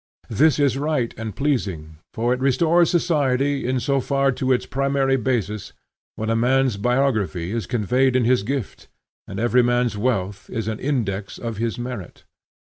This is right and pleasing, for it restores society in so far to its primary basis, when a man's biography is conveyed in his gift, and every man's wealth is an index of his merit.